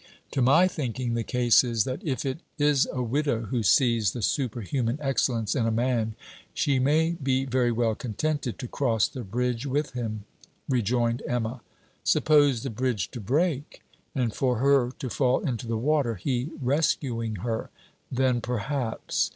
'To my thinking, the case is, that if it is a widow who sees the superhuman excellence in a man, she may be very well contented to cross the bridge with him,' rejoined Emma.... 'Suppose the bridge to break, and for her to fall into the water, he rescuing her then perhaps!'